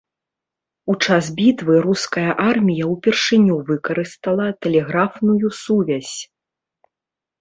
У час бітвы руская армія ўпершыню выкарыстала тэлеграфную сувязь.